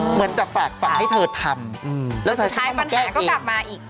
เหมือนจะฝากฝั่งให้เธอทำแล้วสุดท้ายปัญหาก็กลับมาอีก